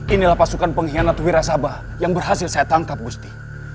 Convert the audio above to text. inilah pasukan pengkhianat wirasabah yang berhasil saya tangkap gusti